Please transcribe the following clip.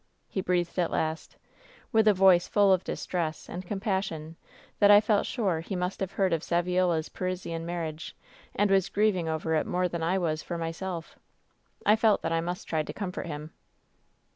ho breathed at last, with a voice full of distress and compas sion that I felt sure he must have heard of Saviola^s Parisian marriage, and was grieving over it more than I was for myself. I felt that I must try to comfort him.